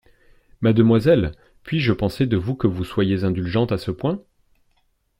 Mademoiselle, puis-je penser de vous que vous soyez indulgente à ce point?